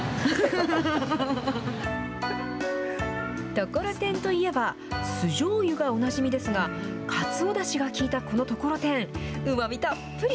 ところてんといえば、酢じょうゆがおなじみですが、カツオだしがきいたこのところてん、うまみたっぷり。